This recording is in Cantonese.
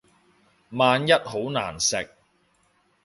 萬一好難食